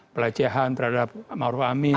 pelecehan terhadap ma'ruf amin